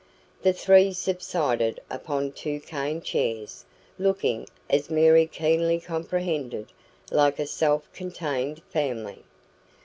The three subsided upon two cane chairs, looking, as Mary keenly comprehended, like a self contained family.